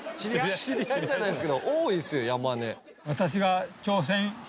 知り合いじゃないですけど多いですよ山根。